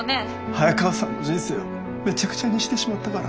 早川さんの人生をめちゃくちゃにしてしまったから。